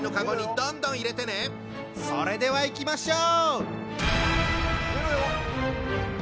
それではいきましょう！